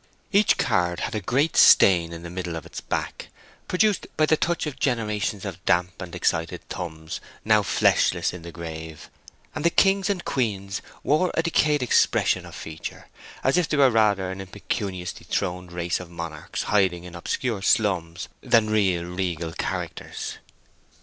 Each card had a great stain in the middle of its back, produced by the touch of generations of damp and excited thumbs now fleshless in the grave; and the kings and queens wore a decayed expression of feature, as if they were rather an impecunious dethroned race of monarchs hiding in obscure slums than real regal characters.